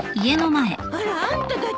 あらあんたたち。